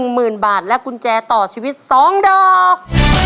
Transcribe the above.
หมื่นบาทและกุญแจต่อชีวิต๒ดอก